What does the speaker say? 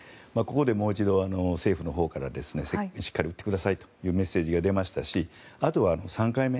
ここでもう一度、政府のほうからしっかり打ってくださいというメッセージが出ましたしあとは、３回目。